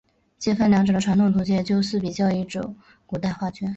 介分两者的传统图解就似比较一轴古代画卷。